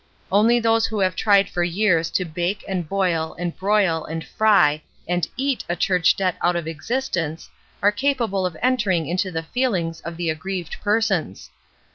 Only those who have tried for years to bake and boil and broil and fry and eat a church debt out of exist ence are capable of entering into the feeUngs of the aggrieved persons.